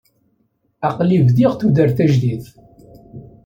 Aql-i bdiɣ tudert tajdidt.